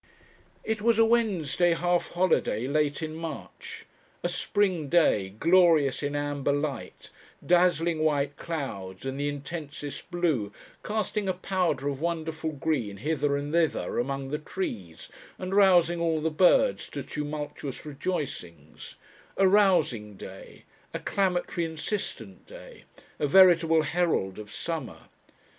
It was a Wednesday half holiday late in March, a spring day glorious in amber light, dazzling white clouds and the intensest blue, casting a powder of wonderful green hither and thither among the trees and rousing all the birds to tumultuous rejoicings, a rousing day, a clamatory insistent day, a veritable herald of summer.